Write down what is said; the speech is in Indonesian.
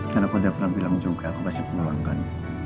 karena aku udah pernah bilang juga aku masih pengurang kan